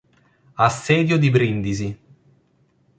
Assedio di Brindisi